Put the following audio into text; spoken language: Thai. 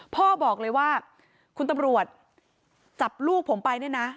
พ่อบอกเลยว่าคุณตำรวจจับลูกผมไปเนี่ยนะ